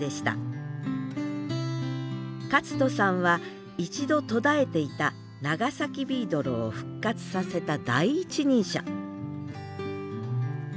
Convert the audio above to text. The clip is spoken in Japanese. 克人さんは一度途絶えていた長崎ビードロを復活させた第一人者